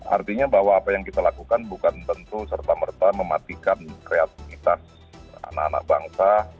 artinya bahwa apa yang kita lakukan bukan tentu serta merta mematikan kreativitas anak anak bangsa